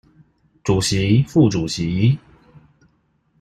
主席副主席